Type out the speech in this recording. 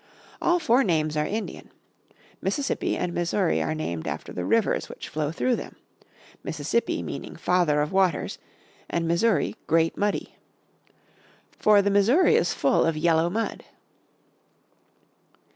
All four names are Indian. Mississippi and Missouri are named after the rivers which flow through them, Mississippi meaning Father of Waters and Missouri Great Muddy. For the Missouri is full of yellow mud.